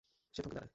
সে থমকে দাঁড়ায়।